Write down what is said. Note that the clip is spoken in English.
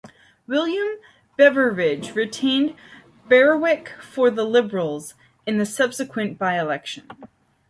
William Beveridge retained Berwick for the Liberals in the subsequent by-election.